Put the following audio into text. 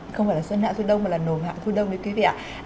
không phải là xuân hạ thu đông mà là nồm hạ thu đông đấy quý vị ạ